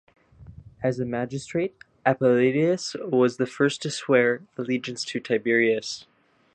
As a magistrate, Appuleius was the first to swear allegiance to Tiberius.